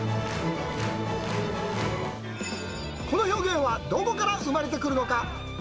この表現は、どこから生まれてくるのか？